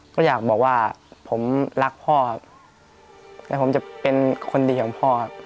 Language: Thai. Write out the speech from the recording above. ก็อยากบอกว่าผมรักพ่อครับแล้วผมจะเป็นคนดีของพ่อครับ